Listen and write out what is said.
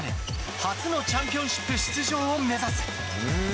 初のチャンピオンシップ出場を目指す。